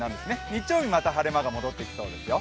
日曜日はまた晴れ間が戻ってきそうですよ。